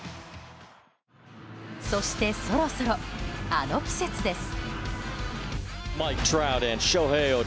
そして、そろそろあの季節です。